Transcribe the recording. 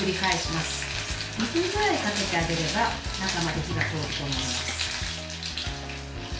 ２分ぐらいかけて揚げれば中まで火が通ると思います。